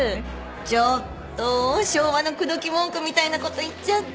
ちょっと昭和の口説き文句みたいなこと言っちゃって。